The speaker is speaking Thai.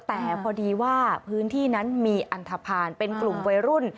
แต่พอดีว่าพื้นที่นั้นมีอันทภาณเป็นกลุ่มวัยรุ่น